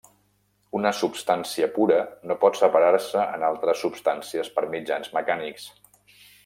Una substància pura no pot separar-se en altres substàncies per mitjans mecànics.